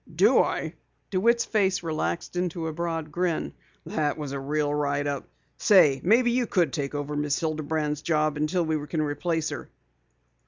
"Do I?" DeWitt's face relaxed into a broad grin. "That was a real write up. Say, maybe you could take over Miss Hilderman's job until we can replace her."